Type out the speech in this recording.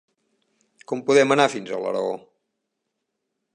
Com podem anar fins a Alaró?